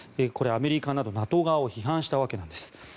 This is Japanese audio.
これはアメリカなどＮＡＴＯ側を批判したわけです。